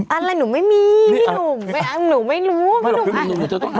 อ่านอะไรหนูไม่มีพี่หนุ่มหนูไม่รู้